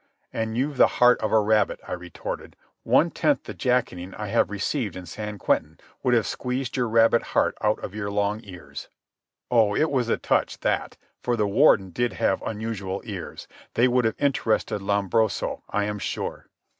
"And you've the heart of a rabbit," I retorted. "One tenth the jacketing I have received in San Quentin would have squeezed your rabbit heart out of your long ears." Oh, it was a touch, that, for the Warden did have unusual ears. They would have interested Lombroso, I am sure.